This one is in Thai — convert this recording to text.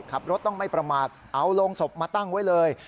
ขับรถต้องไม่ประมาทเอาโรงศพมาตั้งไว้เลย